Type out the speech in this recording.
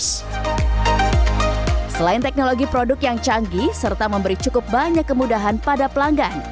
selain teknologi produk yang canggih serta memberi cukup banyak kemudahan pada pelanggan